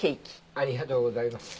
ありがとうございます。